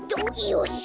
よし。